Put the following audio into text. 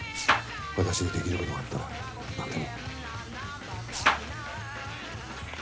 私にできることがあったら何でも。